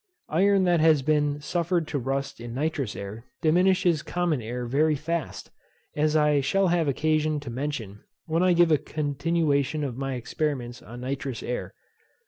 Iron that has been suffered to rust in nitrous air diminishes common air very fast, as I shall have occasion to mention when I give a continuation of my experiments on nitrous air.